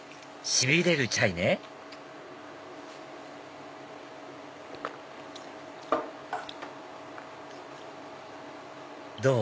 しびれるチャイねどう？